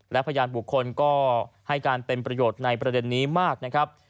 และพยานบุคคลก็ให้การเป็นประโยชน์ในประเด็นนี้มากนะครับ